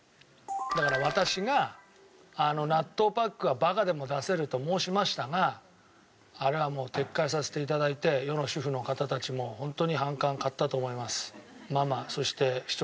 だから私が「納豆パックはバカでも出せる」と申しましたがあれはもう撤回させて頂いて世の主婦の方たちも。も含めて。